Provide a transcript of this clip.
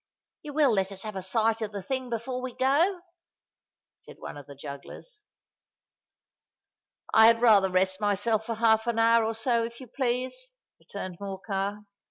"You will let us have a sight of the thing before we go?" said one of the jugglers. "I had rather rest myself for half an hour, or so if you please," returned Morcar.